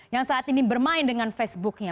yang saat ini bermain dengan facebooknya